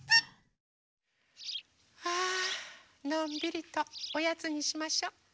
あのんびりとおやつにしましょ。